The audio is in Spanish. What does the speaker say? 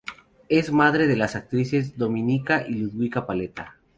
Es madre de las actrices Dominika y Ludwika Paleta.